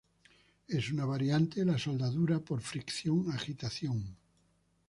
Es una variante de la soldadura por fricción-agitación.